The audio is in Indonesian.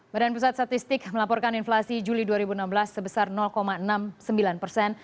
badan pusat statistik melaporkan inflasi juli dua ribu enam belas sebesar enam puluh sembilan persen